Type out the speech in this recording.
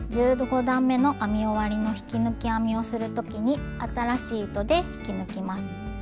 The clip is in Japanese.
１５段めの編み終わりの引き抜き編みをする時に新しい糸で引き抜きます。